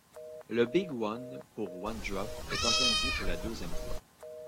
Le Big One pour One Drop est organisé pour la deuxième fois.